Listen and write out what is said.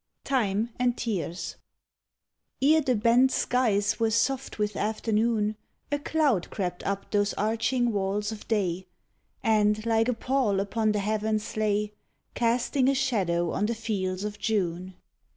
44 TIME AND TEARS Ere the bent skies were soft with afternoon, A cloud crept up those arching walls of day And like a pall upon the heavens lay, Casting a shadow on the fields of June.